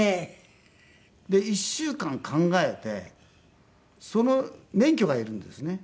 で１週間考えてその免許がいるんですね。